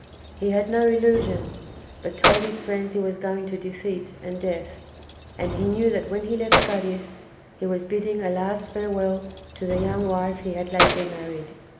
He had no illusions, but told his friends he was going to defeat and death, and he knew that when he left Cadiz he was bidding a last farewell to the young wife he had lately married.